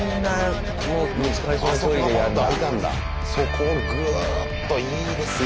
そこをグーッといいですよ。